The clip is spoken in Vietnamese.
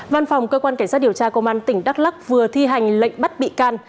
văn phòng cơ quan cảnh sát điều tra công an tp hcm vừa thi hành lệnh bắt bị can